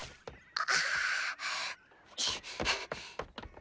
あ。